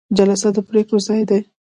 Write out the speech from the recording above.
جلسه د پریکړو ځای دی